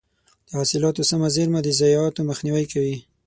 د حاصلاتو سمه زېرمه د ضایعاتو مخنیوی کوي.